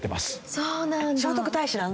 そうなんだ！